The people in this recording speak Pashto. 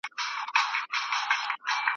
نظر غرونه چوي !.